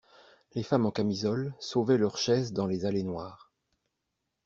Les femmes en camisole sauvaient leurs chaises dans les allées noires.